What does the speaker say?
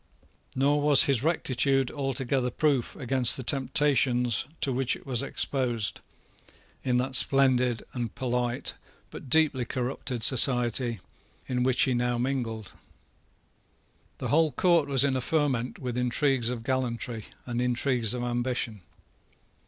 Nor was his rectitude altogether proof against the temptations to which it was exposed in that splendid and polite, but deeply corrupted society, with which he now mingled. The whole court was in a ferment with intrigues of gallantry and intrigues of ambition.